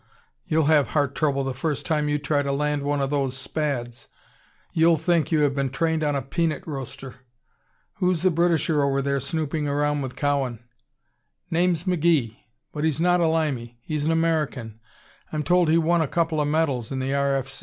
"Humph! You'll have heart trouble the first time you try to land one of those Spads. You'll think you have been trained on a peanut roaster. Who's the Britisher over there snooping around with Cowan?" "Name's McGee. But he's not a Limey; he's an American. I'm told he won a coupla medals in the R.